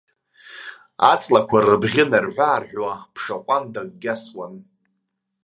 Аҵлақәа рыбӷьы нарҳәы-аарҳәуа, ԥша ҟәандакгьы асуан.